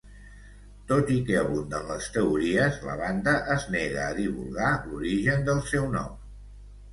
Tot i que abunden les teories, la banda es nega a divulgar l'origen del seu nom.